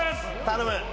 頼む！